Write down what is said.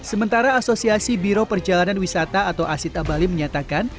sementara asosiasi biro perjalanan wisata atau asita bali menyatakan